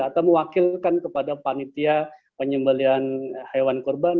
atau mewakilkan kepada panitia penyembelian hewan kurban